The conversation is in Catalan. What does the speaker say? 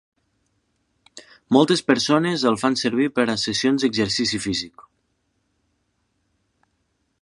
Moltes persones el fan servir per a sessions d'exercici físic.